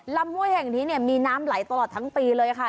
ห้วยแห่งนี้เนี่ยมีน้ำไหลตลอดทั้งปีเลยค่ะ